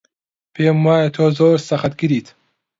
پێم وایە تۆ زۆر سەختگریت.